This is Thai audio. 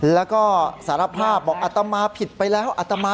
แล้วก็สารภาพบอกอัตมาผิดไปแล้วอัตมา